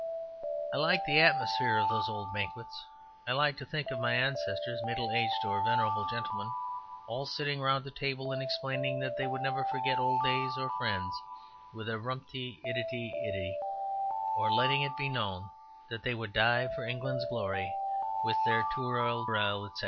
I like the atmosphere of those old banquets. I like to think of my ancestors, middle aged or venerable gentlemen, all sitting round a table and explaining that they would never forget old days or friends with a rumpty iddity iddity, or letting it be known that they would die for England's glory with their tooral ooral, etc.